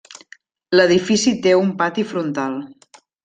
L'edifici té un pati frontal.